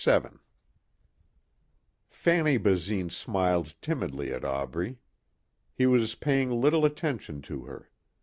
7 Fanny Basine smiled timidly at Aubrey. He was paying little attention to her.